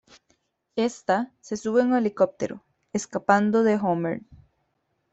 Ésta se sube a un helicóptero, escapando de Homer.